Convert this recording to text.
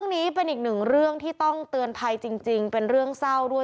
นี้เป็นอีกหนึ่งเรื่องที่ต้องเตือนภัยจริงเป็นเรื่องเศร้าด้วย